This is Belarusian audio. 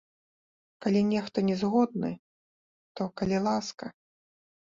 Калі нехта не згодны, то, калі ласка.